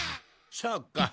そうか。